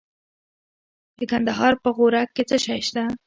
د کندهار په غورک کې څه شی شته؟